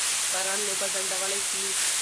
باران لوبه ځنډولای سي.